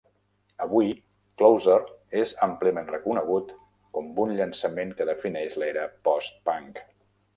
Avui, "Closer" és àmpliament reconegut com un llançament que defineix l'era post-punk.